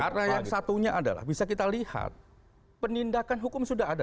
karena yang satunya adalah bisa kita lihat penindakan hukum sudah ada